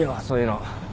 そういうの。